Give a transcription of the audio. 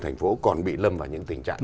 thành phố còn bị lâm vào những tình trạng